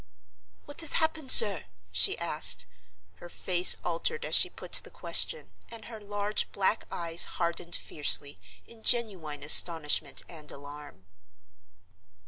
"What has happened, sir?" she asked. Her face altered as she put the question, and her large black eyes hardened fiercely, in genuine astonishment and alarm.